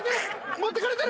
持ってかれてる！